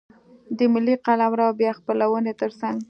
د ملي قلمرو بیا خپلونې ترڅنګ.